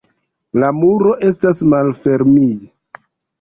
La muro estas malfermij.